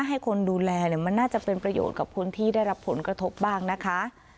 ให้คนดูแลมันน่าจะเป็นประโยชน์กับคนที่ได้รับผลกระทบบ้างนะคะ